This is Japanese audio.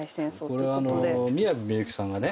これはあの宮部みゆきさんがね